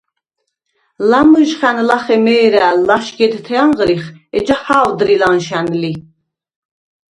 ლამჷჟხა̈ნ ლახე მე̄რა̄̈ლ ლაშგედთე ანღრიხ, ეჯა ჰა̄ვდრი ლა̈ნშა̈ნ ლი.